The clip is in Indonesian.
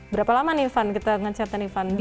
berapa lama nih van kita ngecatnya nih van